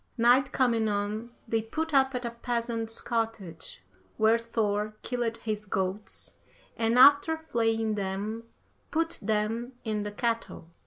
Night coming on, they put up at a peasant's cottage, where Thor killed his goats, and after flaying them, put them in the kettle.